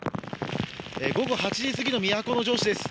午後８時過ぎの都城市です。